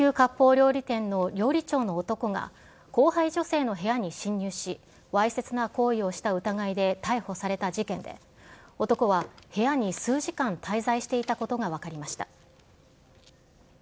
料理店の料理長の男が、後輩女性の部屋に侵入し、わいせつな行為をした疑いで逮捕された事件で、男は部屋に数時間滞在していたことが分かりました。